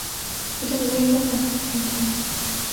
歌曲的歌词谈论了一段不受强迫的感情。